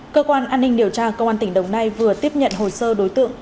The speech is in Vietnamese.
cơ quan an ninh điều tra công an tỉnh đồng nai vừa tiếp nhận hồ sơ đối tượng